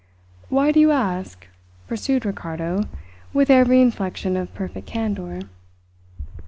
"Why do you ask?" pursued Ricardo with every inflection of perfect candour.